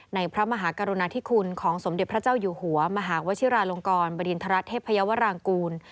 พระมหากรุณาธิคุณของสมเด็จพระเจ้าอยู่หัวมหาวชิราลงกรบริณฑรัฐเทพยาวรางกูล